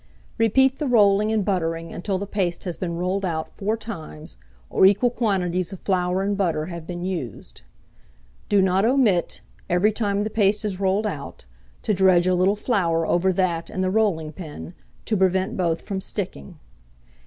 Repeat the rolling and buttering until the paste has been rolled out 4 times, or equal quantities of flour and butter have been used. Do not omit, every time the paste is rolled out, to dredge a little flour over that and the rolling pin, to prevent both from sticking.